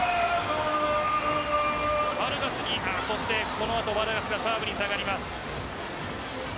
この後バルガスがサーブに下がります。